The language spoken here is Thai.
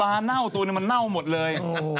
เน่าตัวนึงมันเน่าหมดเลย